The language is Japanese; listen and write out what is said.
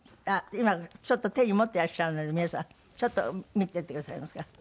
今ちょっと手に持っていらっしゃるので皆さんちょっと見ててくださいますか。